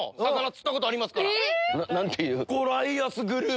何ていう？